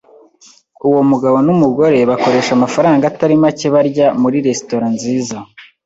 Uwo mugabo n'umugore bakoresha amafaranga atari make barya muri resitora nziza.